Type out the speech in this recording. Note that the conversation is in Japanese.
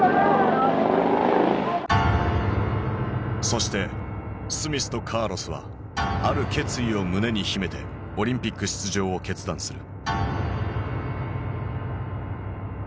そしてスミスとカーロスはある決意を胸に秘めてオリンピック出場を決断する。